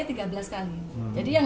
dua belas kali yang